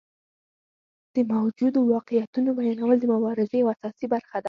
د موجودو واقعیتونو بیانول د مبارزې یوه اساسي برخه ده.